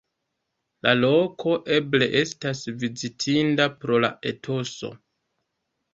La loko eble estas vizitinda pro la etoso.